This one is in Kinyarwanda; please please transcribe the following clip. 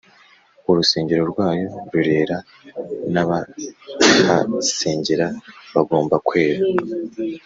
urusengero rwayo rurera nabahasengera bagomba kwera